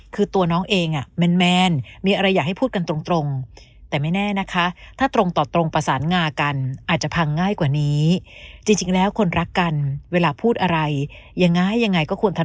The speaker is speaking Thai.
คือตัวน้องเองแมนมีอะไรอยากให้พูดกันตรง